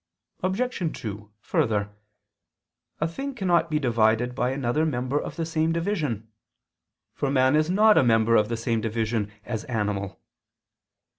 Obj. 2: Further, a thing cannot be divided by another member of the same division; for man is not a member of the same division as "animal."